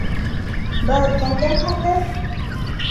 — Был кемдең хаты?